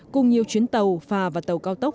cùng nhiều chuyến tàu phà và tàu cao tốc